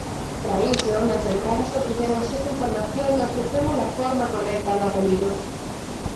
Para iso, nas entradas ofrecemos esa información e ofrecemos a forma correcta do apelido.